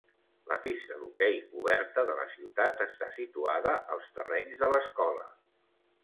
La pista d'hoquei coberta de la ciutat està situada als terrenys de l'escola.